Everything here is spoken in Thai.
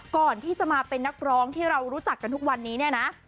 ก่อนที่จะมาเป็นนักร้องที่เรารู้จักกันทุกวันนี้เนี่ยนะ